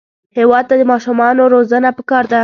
هېواد ته د ماشومانو روزنه پکار ده